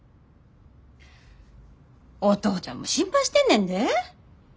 お父ちゃんも心配してんねんで。